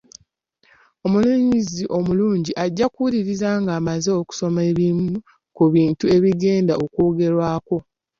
Omuwuliriza omulungi ajja okuwuliriza ng’amaze okusoma ebimu ku bintu ebigenda okwogerwako.